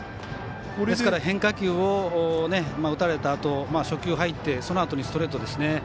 変化球を打たれたあと初球入ってそのあとにストレートですね。